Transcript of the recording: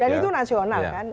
dan itu nasional kan